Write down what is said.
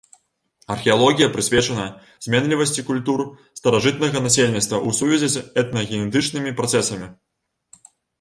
Археалогія прысвечана зменлівасці культур старажытнага насельніцтва ў сувязі з этнагенетычнымі працэсамі.